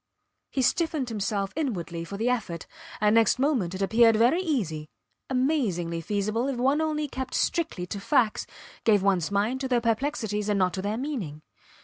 He stiffened himself inwardly for the effort, and next moment it appeared very easy, amazingly feasible, if one only kept strictly to facts, gave ones mind to their perplexities and not to their meaning.